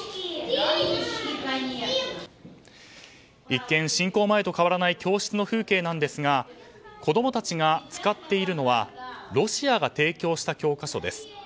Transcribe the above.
一見、侵攻前と変わらない教室の風景なんですが子供たちが使っているのはロシアが提供した教科書です。